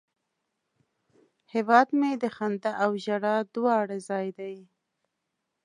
هیواد مې د خندا او ژړا دواړه ځای دی